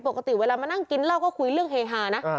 ปกติเวลามานั่งกินเหล้าก็คุยเรื่องเฮฮานะ